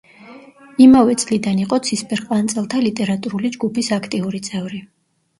იმავე წლიდან იყო „ცისფერყანწელთა“ ლიტერატურული ჯგუფის აქტიური წევრი.